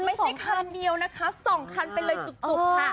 ไม่ใช่คันเดียวนะคะ๒คันไปเลยจุกค่ะ